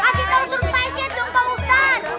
kasih tau surprise ya dong pak ustadz